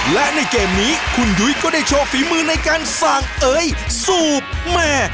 และในเกมนี้คุณยุ้ยก็ได้โชว์ฝีมือในการสั่งเอ๋ยสูบแม่